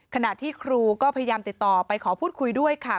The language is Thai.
ขณะที่ครูก็พยายามติดต่อไปขอพูดคุยด้วยค่ะ